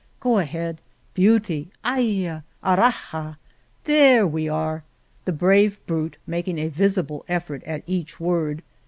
*'Go ahead!" ^* Beauty!" ''Ayaf' ''Arrarha!'' —There we are," the brave brute making a visible effort at each word.